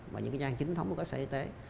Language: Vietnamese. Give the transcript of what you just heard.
và những nhà hàng chính thống của các sở y tế